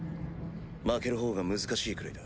負ける方が難しいくらいだ。